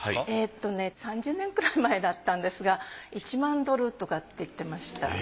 えっとね３０年くらい前だったんですが１万ドルとかって言ってました。